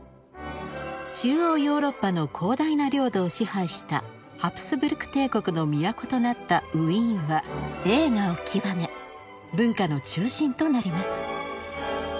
中央ヨーロッパの広大な領土を支配したハプスブルク帝国の都となったウィーンは栄華を極め文化の中心となります。